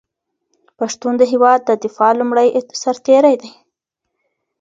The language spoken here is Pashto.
پښتون د هېواد د دفاع لومړی سرتېری دی.